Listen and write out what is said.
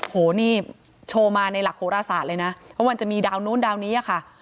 โหนี่โชว์มาในหลักโหรศาสตร์เลยนะเพราะมันจะมีดาวนู้นดาวนี้อะค่ะ